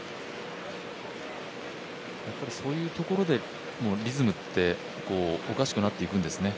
そういうところでリズムっておかしくなっていくんですね。